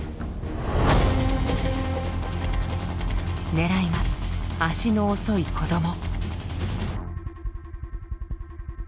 狙いは足の遅い子ども。